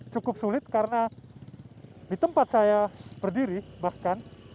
cukup sulit karena di tempat saya berdiri bahkan